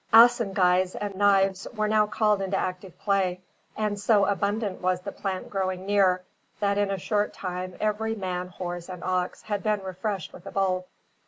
Assegais and knives were now called into active play; and so abundant was the plant growing near, that in a short time every man, horse, and ox had been refreshed with a bulb.